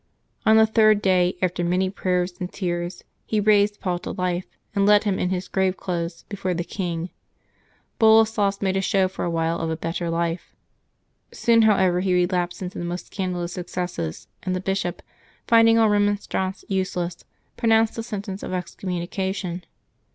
On the third day, after many prayers and tears, he raised Paul to life, and led him in his grave clothes before the king. Boleslas made a show for a while of a better life. Soon, however, he relapsed into the most scandalous excesses, and the bishop, finding all remonstrance useless, pronounced the sentence of excommunication.